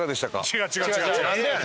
違う違う！